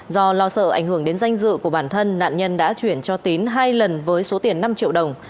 do lo sợ ảnh hưởng đến danh dự của bản thân nạn nhân đã chuyển cho tín hai lần với số tiền năm triệu đồng